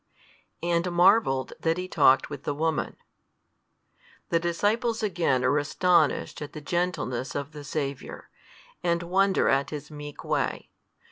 and marvelled that He talked with the woman: The disciples again are astonished at the gentleness of the Saviour, and wonder at His meek way.